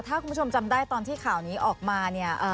ถ้าคุณผู้ชมจำได้ตอนที่ข่าวนี้ออกมาเนี่ย